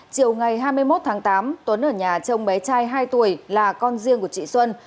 chiều ngày hai mươi một tháng tám tuấn ở nhà chồng bé trai hai tuổi là con riêng của chị xuân